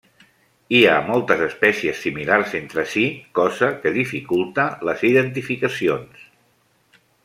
Hi ha moltes espècies similars entre si, cosa que dificulta les identificacions.